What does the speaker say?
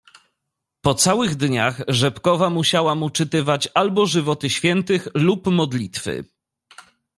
"Po całych dniach Rzepkowa musiała mu czytywać albo żywoty Świętych lub modlitwy."